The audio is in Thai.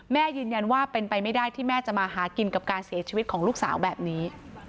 ยืนยันว่าเป็นไปไม่ได้ที่แม่จะมาหากินกับการเสียชีวิตของลูกสาวแบบนี้